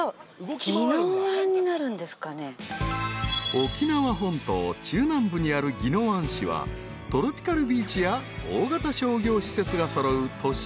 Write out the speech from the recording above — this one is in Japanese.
［沖縄本島中南部にある宜野湾市はトロピカルビーチや大型商業施設が揃う］